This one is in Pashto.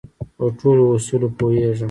په ټولو اصولو پوهېږم.